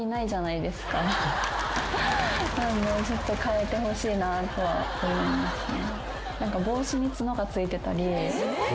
なんでちょっと変えてほしいなとは思いますね。